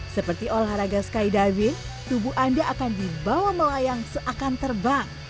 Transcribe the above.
seperti olahraga skydiving tubuh anda akan dibawa melayang seakan terbang